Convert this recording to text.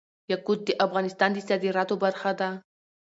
یاقوت د افغانستان د صادراتو برخه ده.